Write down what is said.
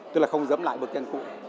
tức là không dấm lại bước chân cũ